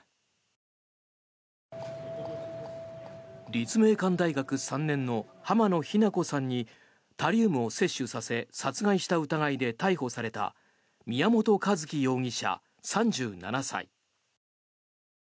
立命館大学３年の浜野日菜子さんにタリウムを摂取させ殺害した疑いで逮捕された宮本一希容疑者、３７歳。